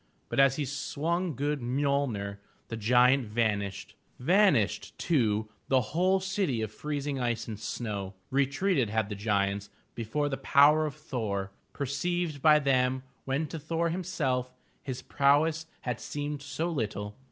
But as he swung good Mjol'ner, the giant vanished — vanished, too, the whole city of freezing ice and snow. Retreated had the giants before the power of Thor, perceived by them when to Thor him self his prowess had seemed so little.